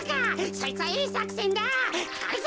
そいつはいいさくせんだ。